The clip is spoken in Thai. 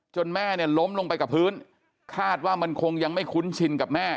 แม่เนี่ยล้มลงไปกับพื้นคาดว่ามันคงยังไม่คุ้นชินกับแม่